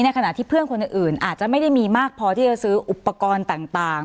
ขณะที่เพื่อนคนอื่นอาจจะไม่ได้มีมากพอที่จะซื้ออุปกรณ์ต่าง